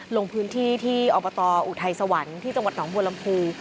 ลงพื้นที่ที่อบตออุทัยสวรรค์ที่จังหวัดหนองบัวลำพู